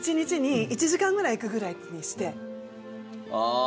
ああ。